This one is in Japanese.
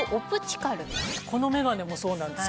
このメガネもそうなんです